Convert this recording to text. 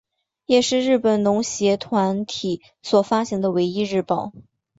也是日本农协团体所发行的唯一日报。